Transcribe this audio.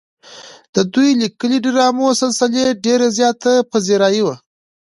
د دوي ليکلې ډرامو سلسلې ډېره زياته پذيرائي